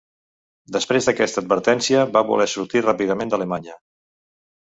Després d'aquesta advertència va voler sortir ràpidament d'Alemanya.